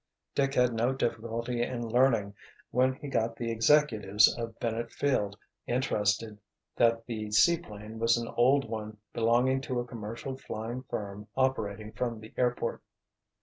Dick had no difficulty in learning, when he got the executives of Bennett field interested that the seaplane was an old one belonging to a commercial flying firm operating from the airport.